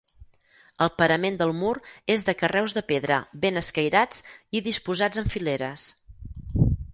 El parament del mur és de carreus de pedra ben escairats i disposats en fileres.